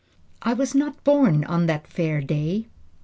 . I was not born in that far day.